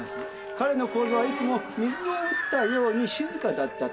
「彼の高座はいつも水を打ったように静かだった」と。